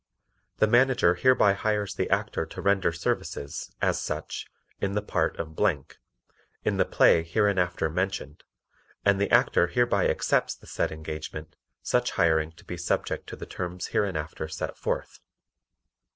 The Manager hereby hires the Actor to render services, as such, in the part of , in the play hereinafter mentioned, and the Actor hereby accepts the said engagement; such hiring to be subject to the terms hereinafter set forth.